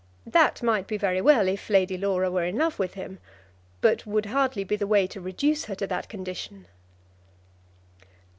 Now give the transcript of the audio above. That might be very well if Lady Laura were in love with him, but would hardly be the way to reduce her to that condition.